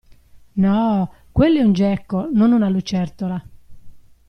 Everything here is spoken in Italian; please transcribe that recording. No, quello è un geco, non una lucertola.